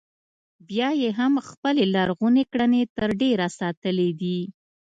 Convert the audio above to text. بیا یې هم خپلې لرغونې ځانګړنې تر ډېره ساتلې دي.